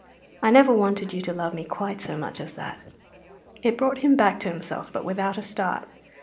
I never wanted you to love me quite so much as that!" It brought him back to himself, but without a start.